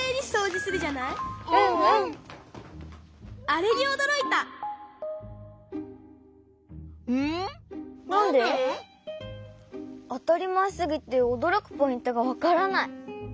あたりまえすぎておどろくポイントがわからない。